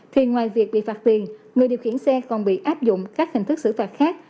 thì ngoài việc bị phạt tiền người điều khiển xe còn bị áp dụng các hình thức xử phạt khác